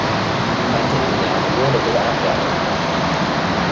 The painting is now in the Warnambool art gallery.